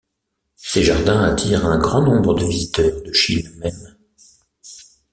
Ces jardins attirent un grand nombre de visiteurs de Chine même.